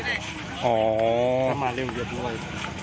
อ๋อถ้ามาเร็วหยุดโง่เลย